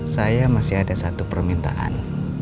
saya masih ada satu permintaan